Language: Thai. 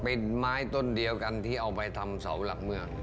เป็นไม้ต้นเดียวกันที่เอาไปทำเสาหลักเมือง